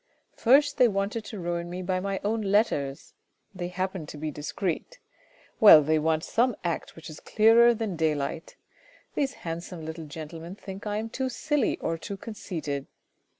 First they wanted to ruin me by my own letters ; they happen to be discreet ; well, they want some act which is clearer than daylight. These handsome little gentlemen think I am too silly or too conceited.